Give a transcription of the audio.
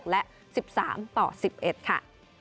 และ๑๓ต่อ๑๑ค่ะ